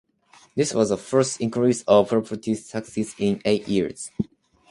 This was the first increase of property taxes in eight years.